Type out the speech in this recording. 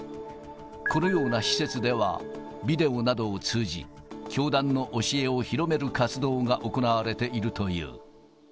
このような施設ではビデオなどを通じ、教団の教えを広める活動が行われているという。